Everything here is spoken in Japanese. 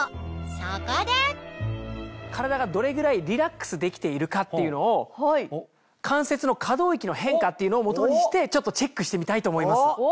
そこで体がどれぐらいリラックスできているかっていうのを関節の可動域の変化っていうのを基にしてちょっとチェックしてみたいと思います。